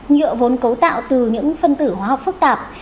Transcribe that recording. nhựa vốn cấu tạo từ những phân tử hóa học phức tạp